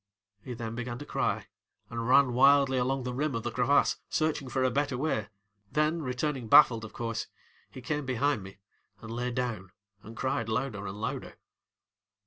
ŌĆØ He then began to cry and ran wildly along the rim of the crevasse, searching for a better way, then, returning baffled, of course, he came behind me and lay down and cried louder and louder.